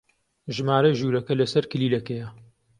ژمارەی ژوورەکە لەسەر کلیلەکەیە.